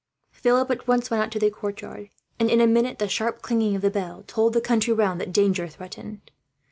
Philip at once went out into the courtyard, and in a minute the sharp clanging of the bell told the country round that danger threatened.